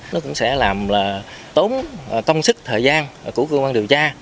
nó cũng sẽ làm là tốn công sức thời gian của cơ quan điều tra